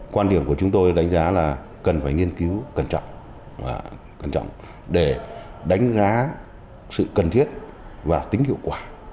quan điểm của chúng tôi đánh giá là cần phải nghiên cứu cẩn trọng để đánh giá sự cần thiết và tính hiệu quả